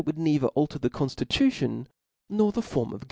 would neither alter the conftitution nor the form of.